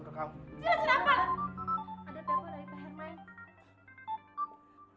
ada telepon dari pak hermain